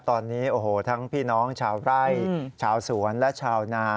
ตอนนี้โอ้โหทั้งพี่น้องชาวไร่ชาวสวนและชาวนา